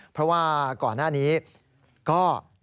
เพราะว่าก่อนหน้านี้ก็